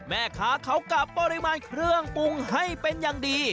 แม่ค้าเขากะปริมาณเครื่องปรุงให้เป็นอย่างดี